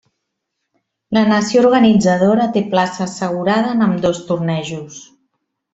La nació organitzadora té plaça assegurada en ambdós tornejos.